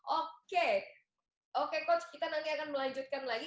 oke oke coach kita nanti akan melanjutkan lagi